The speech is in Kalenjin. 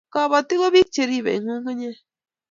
Kobotik ko biik che ribei ng'ung'unyek